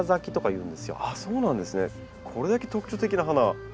これだけ特徴的な花